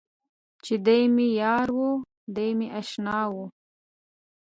چې دی مې یار و دی مې اشنا و.